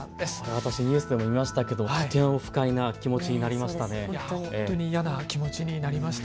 私、ニュースでも見ましたけどとても不快な気持ちになりました。